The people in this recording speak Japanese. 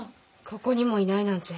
ここにもいないなんて。